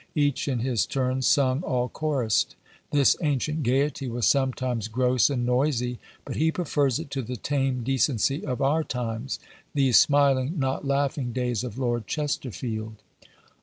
Each in his turn sung all chorused." This ancient gaiety was sometimes gross and noisy; but he prefers it to the tame decency of our times these smiling, not laughing days of Lord Chesterfield.